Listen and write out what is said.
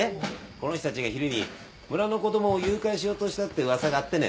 この人たちが昼に村の子供を誘拐しようとしたって噂があってね。